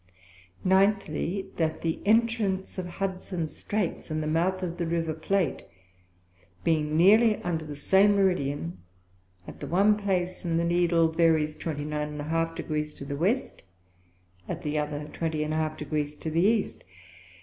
Ninthly, That the Entrance of Hudson's Straights, and the Mouth of the River of Plate, being nearly under the same Meridian, at the one place the Needle varies 29½ Degrees to the West; at the other 20½ Degrees to the East.